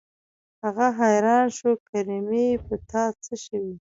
هغه حيران شو کریمې په تا څه شوي.